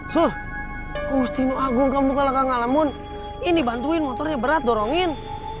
sur kusti nuh agung kamu kalahkan ngalamun ini bantuin motornya berat dorongin